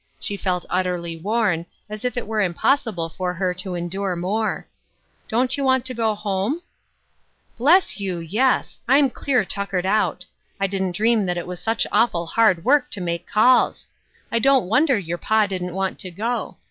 She felt' utterly worn, as if it were impossible for her to endure more. " Don't you want to go home?" " Bless you, yes. I'm clear tuckered out. I didn't dream that it was such awful hard work to make calls. I don't wonder your pa didn't want to go.